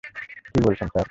কী বলছেন, স্যার!